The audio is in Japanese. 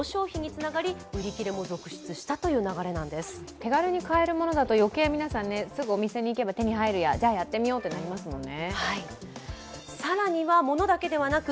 手軽に買えるものだと余計、皆さん、すぐお店に行けば手に入るやじゃあやってみようってなりますもんね。